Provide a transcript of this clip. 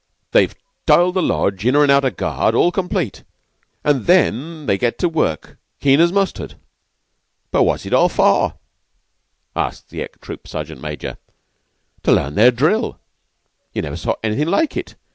They've tiled the lodge, inner and outer guard, all complete, and then they get to work, keen as mustard." "But what's it all for?" asked the ex Troop Sergeant Major. "To learn their drill. You never saw anything like it.